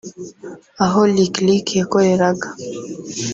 Aho Lick Lick yakoreraga